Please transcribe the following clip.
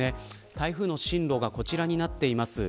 台風の進路がこちらになっています。